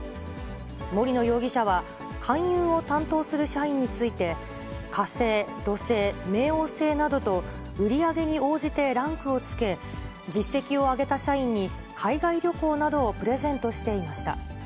森野容疑者は、勧誘を担当する社員について、火星、土星、冥王星などと売り上げに応じてランクをつけ、実績を上げた社員に海外旅行などをプレゼントしていました。